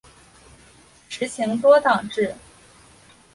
实行多党制。